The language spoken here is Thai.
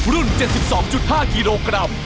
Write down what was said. รุ่นเจ็ดสิบสองจุดห้ากิโลกรัม